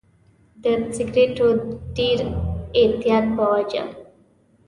د سیګریټو د ډېر اعتیاد په وجه.